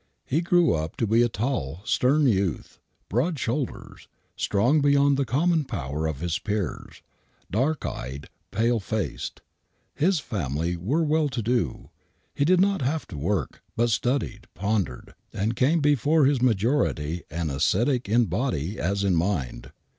He grew up to be a tall, stern youth, broad shouldered, strong beyond the common power of his peers, dark eyed, pale faced. His family were well to do ; he did not have to work, but studied, pondered, and became before his majority an ascetic in body as in mind.